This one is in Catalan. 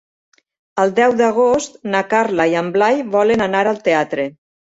El deu d'agost na Carla i en Blai volen anar al teatre.